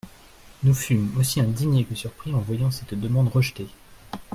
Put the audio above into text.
Nous fûmes aussi indignés que surpris en voyant cette demande rejetée.